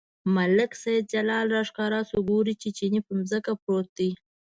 ملک سیدلال راښکاره شو، ګوري چې چیني پر ځمکه پروت دی.